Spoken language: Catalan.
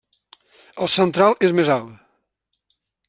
El central és més alt.